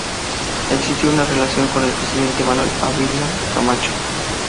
Existió una relación con el presidente Manuel Ávila Camacho.